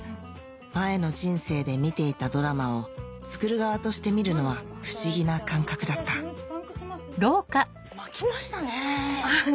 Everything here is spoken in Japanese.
前の人生で見ていたドラマを作る側として見るのは不思議な感覚だった巻きましたね。ねぇ。